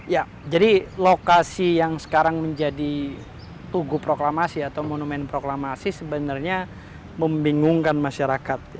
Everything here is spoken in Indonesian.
ya jadi lokasi yang sekarang menjadi tugu proklamasi atau monumen proklamasi sebenarnya membingungkan masyarakat